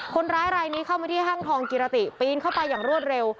คนร้ายรายนี้เข้ามาที่ห้างทองกิรติปีนเข้าไปอย่างรวดเร็ว